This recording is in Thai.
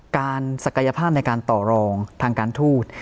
ศักยภาพในการต่อรองทางการทูต